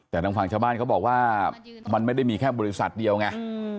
แต่ทางฝั่งชาวบ้านเขาบอกว่ามันไม่ได้มีแค่บริษัทเดียวไง